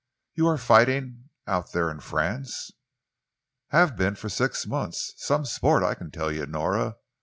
"You are fighting out there in France?" "Have been for six months. Some sport, I can tell you, Nora.